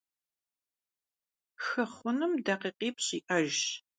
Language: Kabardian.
Xı xhunım dakhikhipş' yi'ejjş.